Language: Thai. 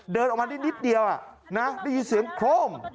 เดินออกมาได้นิดเดียวได้ยินเสียงโครม